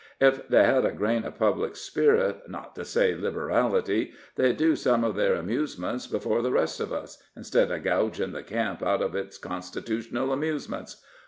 Ef they hed a grain of public spirit, not to say liberality, they'd do some of their amusements before the rest of us, instead of gougin' the camp out of its constitutional amusements.